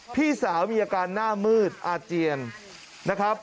พี่สาวมีอาการหน้ามืดอาเจียนนะครับ